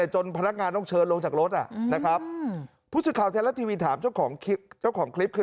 จนพนักงานต้องเชิญลงจากรถนะครับพูดสิทธิ์ข่าวแทนและทีวีถามเจ้าของคลิปคือ